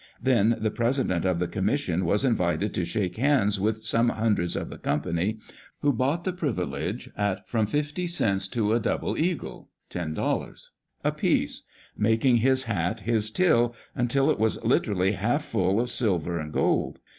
Then the president of the commission was invited to shake hands with some hundreds of the company, who bought the privilege at from fifty cents to a double eagle (ten dollars) a piece, making his hat his till, until it was literally half full of silver and gold.